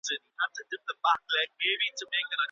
ولي د بریالیتوب ترلاسه کول د یوه پاخه عزم پایله ده؟